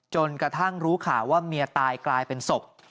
จนกระทั่งรู้ข่าวว่าเมียตายกลายเป็นศพ